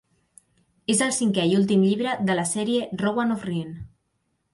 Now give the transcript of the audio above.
És el cinquè i últim llibre de la sèrie "Rowan of Rin".